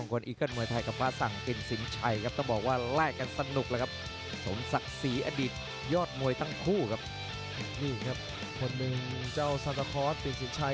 คนนึงเจ้าซัสต้าคอร์สปริญภินชัย